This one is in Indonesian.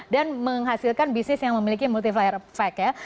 dan menghasilkan bisnis yang memiliki multi filer effect ya